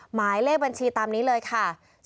หมายเลขบัญชีตามนี้เลยค่ะ๐๔๐๒๖๘๔๗๕๙